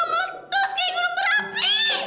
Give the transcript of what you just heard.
bakal meletus kayak gunung berapi